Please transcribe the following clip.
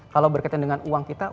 kalau berkaitan dengan uang kita